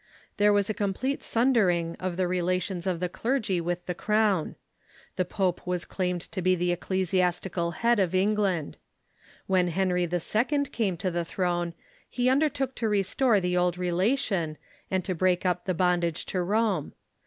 There was a complete sundering of the relations of the cler*y with the crown. The pope was claimed to be the ecclesiastical head of England. "When Henry IT. came to the throne he undertook to restore the old relation, and to break up the bondage to Rome.